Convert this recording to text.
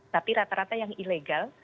tapi rata rata yang ilegal